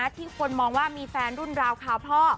ที่คนมองว่ามีแฟนรุ่นราวคราวพ่อ